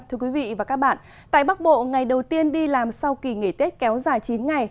thưa quý vị và các bạn tại bắc bộ ngày đầu tiên đi làm sau kỳ nghỉ tết kéo dài chín ngày